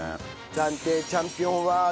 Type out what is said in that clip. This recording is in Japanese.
暫定チャンピオンはどっち！？